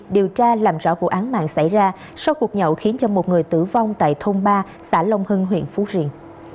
điều tra làm rõ vụ án mạng xảy ra sau cuộc nhậu khiến cho một người tử vong tại thôn ba xã long hưng huyện phú riềng